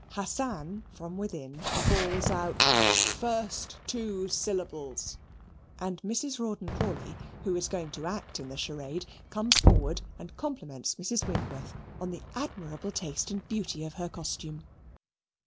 Hassan from within bawls out, "First two syllables" and Mrs. Rawdon Crawley, who is going to act in the charade, comes forward and compliments Mrs. Winkworth on the admirable taste and beauty of her costume.